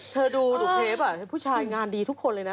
เธอดูเทปผู้ชายงานดีทุกคนเลยนะ